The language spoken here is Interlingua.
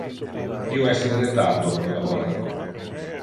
Io es in retardo pro laborar.